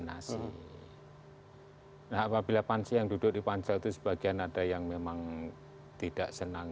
nah apabila pancel yang duduk di pancel itu sebagian ada yang memang tidak berpengaruh